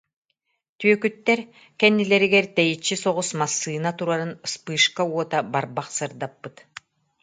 Түөкүттэр кэнни- лэригэр тэйиччи соҕус массыына турарын вспышка уота барбах сырдаппыт